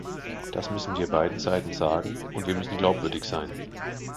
Das müssen wir beiden Seiten sagen, und wir müssen glaubwürdig sein.